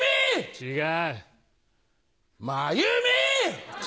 違う。